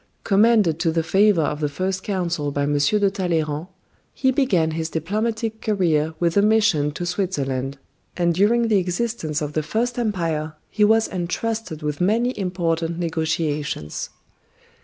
Commended to the favor of the First Counsel by M. de Talleyrand, he began his diplomatic career with a mission to Switzerland; and during the existence of the First Empire he was entrusted with many important negotiations.